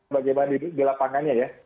bagaimana di lapangannya ya